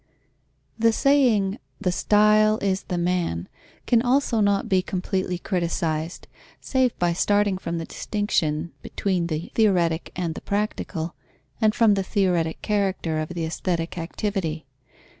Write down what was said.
_ The saying: the style is the man, can also not be completely criticized, save by starting from the distinction between the theoretic and the practical, and from the theoretic character of the aesthetic activity.